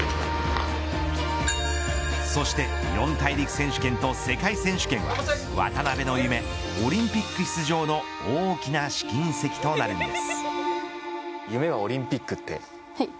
そして、四大陸選手権と世界選手権は渡辺の夢、オリンピック出場の大きな試金石となるんです。